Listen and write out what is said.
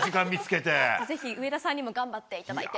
ぜひ、上田さんにも頑張っていただいて。